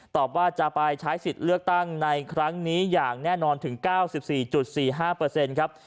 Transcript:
ว่าจะไปใช้สิทธิ์เลือกตั้งในครั้งนี้อย่างแน่นอนถึง๙๔๔๕ครับ